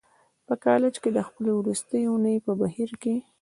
په کالج کې د خپلې وروستۍ اونۍ په بهیر کې